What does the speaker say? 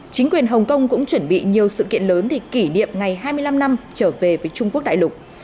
chính quyền hồng kông cũng chuẩn bị nhiều sự kiện lớn để kỷ niệm ngày hai mươi năm năm trở về với trung quốc đại lục